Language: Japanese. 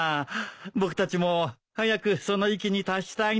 僕たちも早くその域に達したいねサザエ。